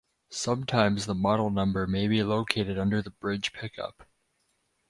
Sometimes the model number may be located under the bridge pickup.